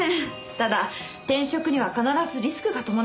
ただ転職には必ずリスクが伴います。